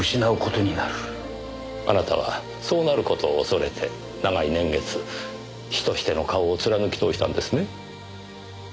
あなたはそうなる事を恐れて長い年月師としての顔を貫きとおしたんですね？